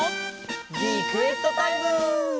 リクエストタイム！